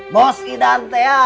bos idan teh ya